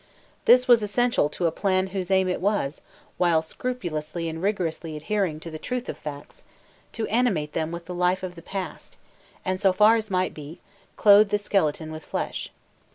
This was essential to a plan whose aim it was, while scrupulously and rigorously adhering to the truth of facts, to animate them with the life of the past, and, so far as might be, clothe the skeleton with flesh.